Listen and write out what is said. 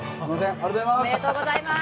ありがとうございます！